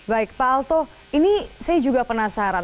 baik pak alto ini saya juga penasaran